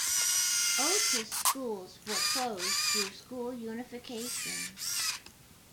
Otis schools were closed through school unification.